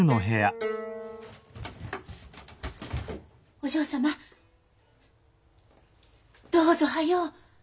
お嬢様どうぞ早う。